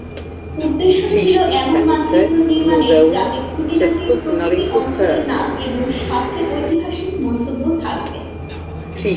উদ্দেশ্য ছিল এমন মানচিত্র নির্মাণের যাতে খুঁটিনাটি প্রতিটি অঞ্চলের নাম এবং সাথে ঐতিহাসিক মন্তব্য থাকবে।